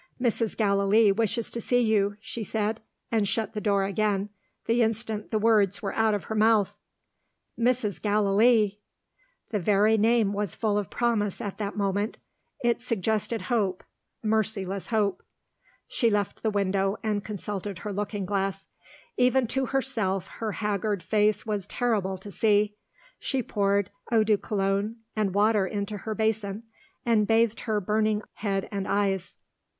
"Mrs. Gallilee wishes to see you," she said and shut the door again, the instant the words were out of her mouth. Mrs. Gallilee! The very name was full of promise at that moment. It suggested hope merciless hope. She left the window, and consulted her looking glass. Even to herself, her haggard face was terrible to see. She poured eau de cologne and water into her basin, and bathed her burning head and eyes.